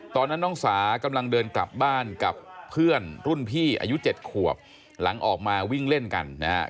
ตอนนั้นน้องสากำลังเดินกลับบ้านกับเพื่อนรุ่นพี่อายุ๗ขวบหลังออกมาวิ่งเล่นกันนะฮะ